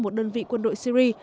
một đơn vị quân đội syri